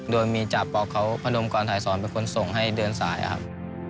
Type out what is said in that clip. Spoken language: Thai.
โดยมีจากปเขาพกฐฐเป็นคนส่งให้เดินสายครับ